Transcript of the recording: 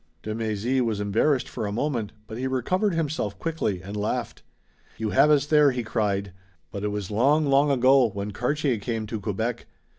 De Mézy was embarrassed for a moment, but he recovered himself quickly and laughed. "You have us there!" he cried, "but it was long, long ago, when Cartier came to Quebec.